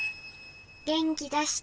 元気出して。